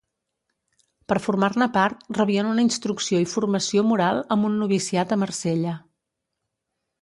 Per formar-ne part rebien una instrucció i formació moral amb un noviciat a Marsella.